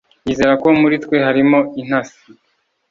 yizera ko muri twe harimo intasi